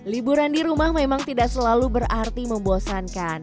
liburan di rumah memang tidak selalu berarti membosankan